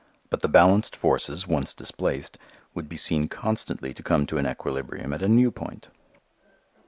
But the balanced forces once displaced would be seen constantly to come to an equilibrium at a new point.